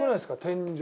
天井。